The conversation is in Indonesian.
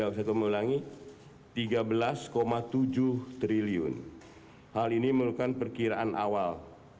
tiga belas tujuh triliun hal ini merupakan perkiraan awal